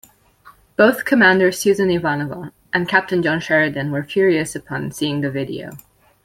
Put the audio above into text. Both Commander Susan Ivanova and Captain John Sheridan were furious upon seeing the video.